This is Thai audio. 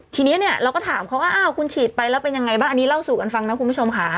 ทีนี้เนี่ยเราก็ถามเขาว่าอ้าวคุณฉีดไปแล้วเป็นยังไงบ้างอันนี้เล่าสู่กันฟังนะคุณผู้ชมค่ะ